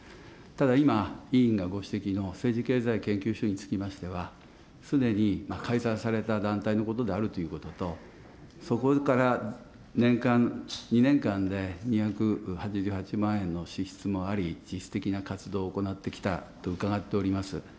ただ、今、委員がご指摘の、政治経済研究所につきましては、すでに解散された団体のことであるということと、そこから年間、２年間で２８８万円の支出もあり、実質的な活動を行ってきたと伺っております。